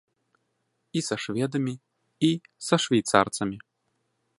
І са шведамі, і са швейцарцамі.